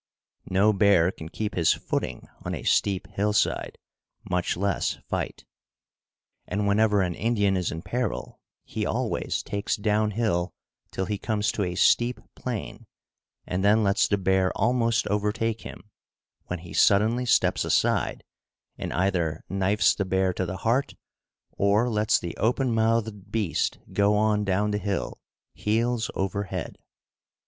No bear can keep his footing on a steep hillside, much less fight. And whenever an Indian is in peril he always takes down hill till he comes to a steep plane, and then lets the bear almost overtake him, when he suddenly steps aside and either knifes the bear to the heart or lets the open mouthed beast go on down the hill, heels over head.